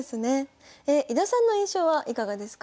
井田さんの印象はいかがですか？